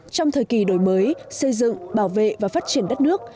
trong thời kỳ đổi mới xây dựng bảo vệ và phát triển đất nước